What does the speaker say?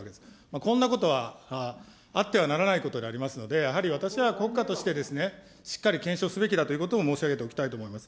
こんなことはあってはならないことでありますので、やはり私は国家としてしっかり検証すべきだということを申し上げておきたいと思います。